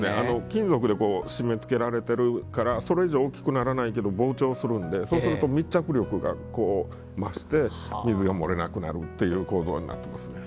金属で、締めつけられてるからそれ以上大きくならないけど膨張するのでそうすると、密着力が増して水が漏れなくなるっていう構造になっていますね。